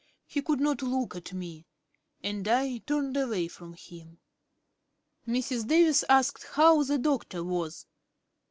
He could not look at me, and I turned away from him. Mrs. Davis asked how the Doctor was.